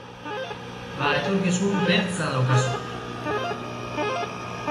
Ba etorkizun beltza daukazue!